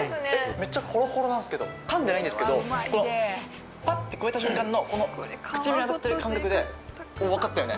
めっちゃホロホロなんすけど噛んでないんですけどパッてくわえた瞬間のこの唇にあたってる感覚で分かったよね